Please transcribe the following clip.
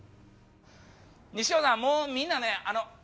西尾さんもうみんなねあの。